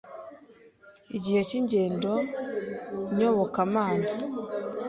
igihe cy’ingendo nyobokamana